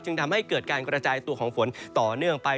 ทำให้เกิดการกระจายตัวของฝนต่อเนื่องไป